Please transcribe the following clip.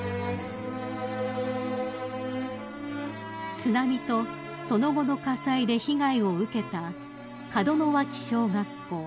［津波とその後の火災で被害を受けた門脇小学校］